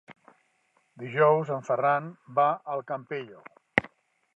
Dijous en Ferran va al Campello.